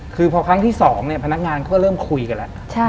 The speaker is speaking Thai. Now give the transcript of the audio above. คือพอครั้งที่๒เนี่ยพนักงานก็เริ่มคุยกันแล้ว